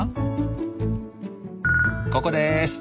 ここです！